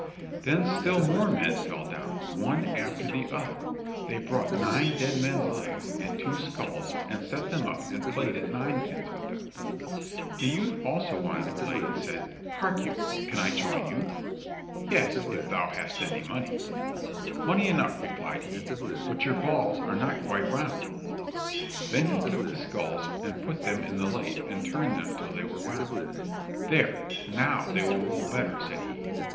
Then still more men fell down, one after the other; they brought nine dead men's legs and two skulls, and set them up and played at ninepins with them. The youth also wanted to play and said: "Hark you, can I join you?" "Yes, if thou hast any money." "Money enough," replied he, "but your balls are not quite round." Then he took the skulls and put them in the lathe and turned them till they were round. "There, now, they will roll better!" said he.